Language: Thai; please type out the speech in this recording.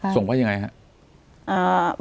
ส่งว่ายังไงครับ